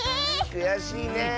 くやしいね。